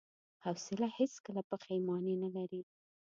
حوصله هیڅکله پښېماني نه لري.